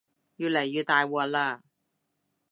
越嚟越大鑊喇